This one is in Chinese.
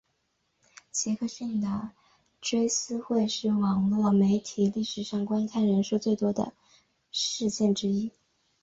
杰克逊的追思会是网路媒体历史上观看人数最多的事件之一。